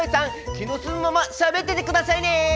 気の済むまましゃべっててくださいね！